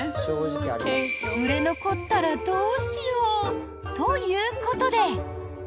売れ残ったらどうしよう？ということで。